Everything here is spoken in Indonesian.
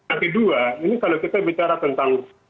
arti dua ini kalau kita bicara tentang